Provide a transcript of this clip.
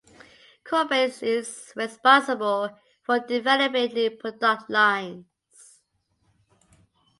Corbett is responsible for developing new product lines.